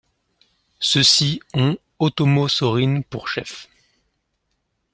Ceux-ci ont Ōtomo Sōrin pour chef.